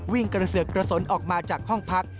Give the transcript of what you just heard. กระเสือกกระสนออกมาจากห้องพัก